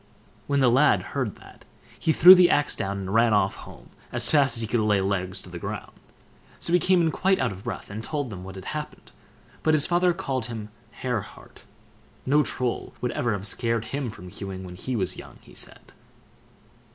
When the lad heard that, he threw the axe down, and ran off home as fast as he could lay legs to the ground; so he came in quite out of breath, and told them what had happened, but his father called him "hare heart"—no Troll would ever have scared him from hewing when he was young, he said.